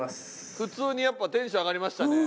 普通にやっぱテンション上がりましたね。